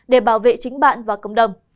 để bảo vệ chính bạn và cộng đồng